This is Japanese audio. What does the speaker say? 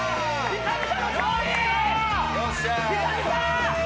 久々！